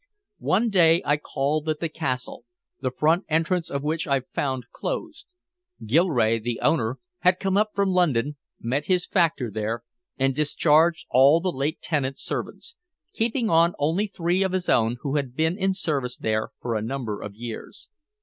One day I called at the castle, the front entrance of which I found closed. Gilrae, the owner, had come up from London, met his factor there, and discharged all the late tenant's servants, keeping on only three of his own who had been in service there for a number of years.